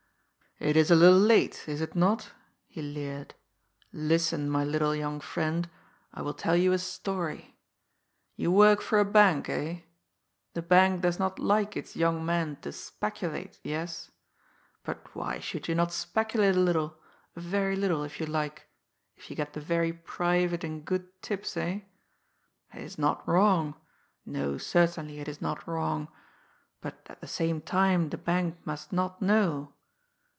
"It is a little late, is it not?" he leered. "Listen, my little young friend; I will tell you a story. You work for a bank, eh? The bank does not like its young men to speculate yes? But why should you not speculate a little, a very little, if you like if you get the very private and good tips, eh? It is not wrong no, certainly, it is not wrong. But at the same time the bank must not know.